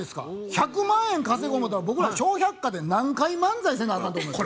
１００万円稼ご思うたら僕ら「笑百科」で何回漫才せなあかんと思います？